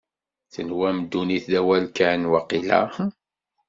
Tenwam ddunit d awal kan, waqila?